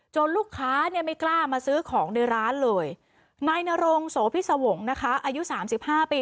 จนลูกค้าไม่กล้ามาซื้อของในร้านเลยนายนรงโสพิสวงอายุ๓๕ปี